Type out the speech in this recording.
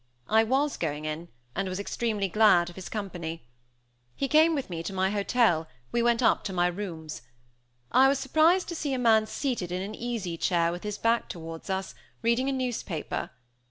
I was going in, and was extremely glad of his company. He came with me to my hotel; we went up to my rooms. I was surprised to see a man seated in an easy chair, with his back towards us, reading a newspaper.